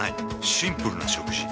シンプルな食事。